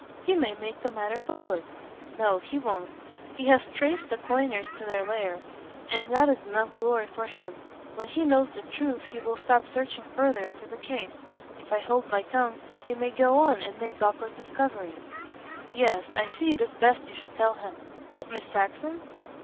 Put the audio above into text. He may make the matter public." "No, he won't. He has traced the coiners to their lair, and that is enough glory for him. When he knows the truth he will stop searching further into the case. If I hold my tongue, he may go on, and make awkward discoveries." "Yes, I see it is best you should tell him. But Miss Saxon?"